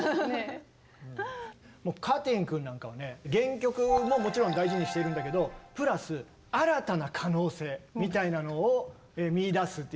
かてぃん君なんかはね原曲ももちろん大事にしてるんだけどプラス新たな可能性みたいなのを見いだすっていうね。